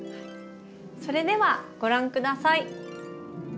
それではご覧下さい。